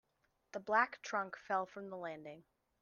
The black trunk fell from the landing.